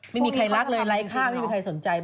ไม่มีใครรักเลยไร้ค่าไม่มีใครสนใจ